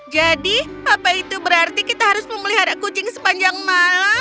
jadi apa itu berarti kita harus memelihara kucing sepanjang malam